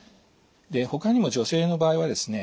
ほかにも女性の場合はですね